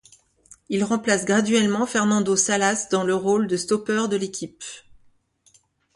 Il remplace graduellement Fernando Salas dans le rôle de stoppeur de l'équipe.